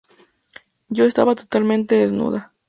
Yo estaba totalmente desnuda"".